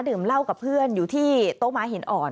ดื่มเหล้ากับเพื่อนอยู่ที่โต๊ะม้าหินอ่อน